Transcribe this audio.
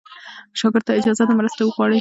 شاګرد ته اجازه ده مرسته وغواړي.